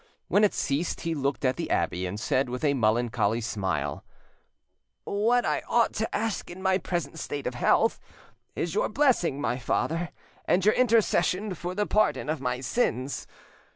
When it ceased, he looked at the abbe, and said, with a melancholy smile— "What I ought to ask in my present state of health is your blessing, my father, and your intercession for the pardon of my sins.